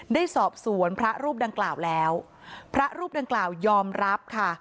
ได้สอบสวนพระรูปดังกล่าวแล้วพระรูปดังกล่าวยอมรับค่ะ